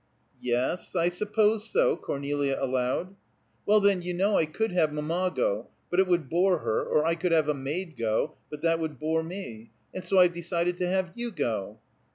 "Yes, I suppose so," Cornelia allowed. "Well, then, you know I could have mamma go, but it would bore her; or I could have a maid go, but that would bore me; and so I've decided to have you go."